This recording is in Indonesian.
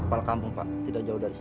tidak tanda tau biasa